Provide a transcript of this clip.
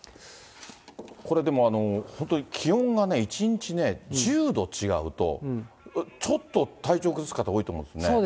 これでも、本当に気温がね、１日ね、１０度違うと、ちょっと体調崩す方、そうですね。